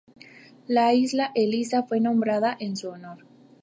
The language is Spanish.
La isla Eliza fue nombrada en su honor.